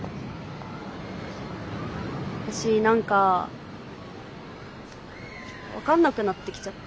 私何か分かんなくなってきちゃって。